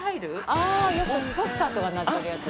ああよくポスターとかになってるやつ。